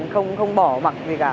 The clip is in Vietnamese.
không bỏ mặt gì cả